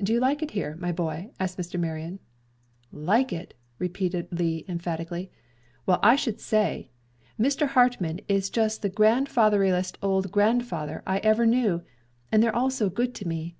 "Do you like it here, my boy?" asked Mr. Marion. "Like it!" repeated Lee, emphatically. "Well I should say! Mr. Hartmann is just the grandfatheriest old grandfather I ever knew, and they're all so good to me."